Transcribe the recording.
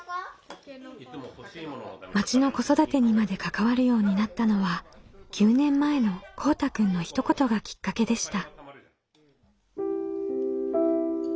町の子育てにまで関わるようになったのは９年前のこうたくんのひと言がきっかけでした。